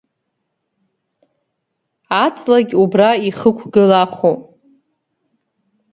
Аҵлагь убра ихықәгылахуп.